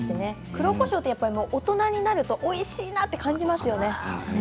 黒こしょうは大人になるとおいしいなと感じますよね。